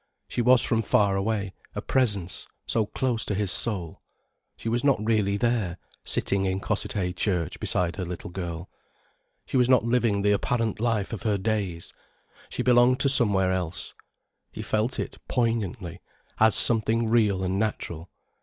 She was from far away, a presence, so close to his soul. She was not really there, sitting in Cossethay church beside her little girl. She was not living the apparent life of her days. She belonged to somewhere else. He felt it poignantly, as something real and natural.